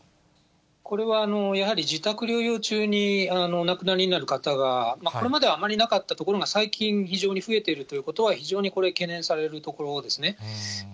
これは、やはり自宅療養中にお亡くなりになる方が、これまではあまりなかったところが、最近非常に増えているということは、非常にこれ、懸念されるところですね。